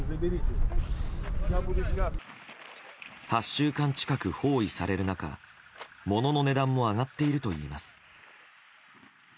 ８週間近く包囲される中ものの値段も上がっているといいます。